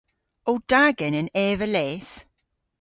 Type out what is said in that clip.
O da genen eva leth?